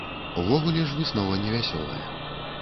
Увогуле ж выснова невясёлая.